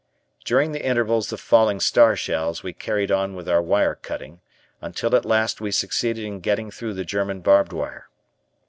During the intervals of falling star shells we carried on with our wire cutting until at last we succeeded in getting through the German barbed wire.